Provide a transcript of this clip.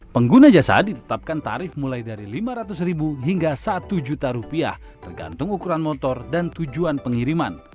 pengguna jasa ditetapkan tarif mulai dari lima ratus ribu hingga satu juta rupiah tergantung ukuran motor dan tujuan pengiriman